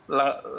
lalu menurut saya